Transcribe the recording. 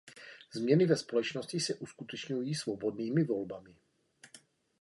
Změny ve společnosti se uskutečňují svobodnými volbami.